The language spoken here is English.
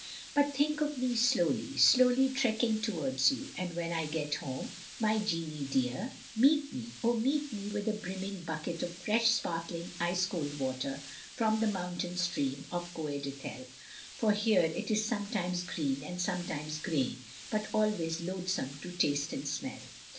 But think of me slowly, slowly trekking towards you, and when I get home, my Jeannie dear, meet me, oh meet me with a brim ming bucket of fresh sparkling ice cold water from the mountain stream at Coed Ithel; for here it is sometimes green and sometimes grey, but always loathsome to taste and smell.